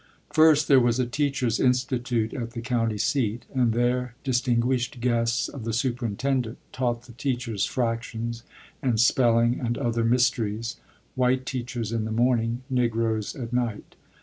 First, there was a Teachers' Institute at the county seat; and there distinguished guests of the superintendent taught the teachers fractions and spelling and other mysteries, white teachers in the morning, Negroes at night.